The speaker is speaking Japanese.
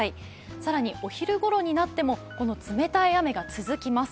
更にお昼頃になっても冷たい雨が続きます。